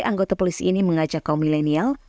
anggota polisi ini mengajak kaum milenial